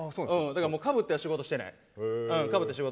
だからかぶっては仕事してない。